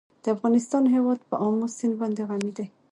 د افغانستان هیواد په آمو سیند باندې غني دی.